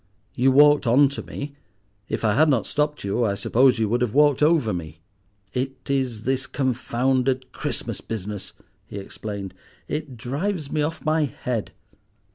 You walked on to me; if I had not stopped you, I suppose you would have walked over me." "It is this confounded Christmas business," he explained. "It drives me off my head."